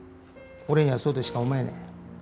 俺にはそうとしか思えねえ。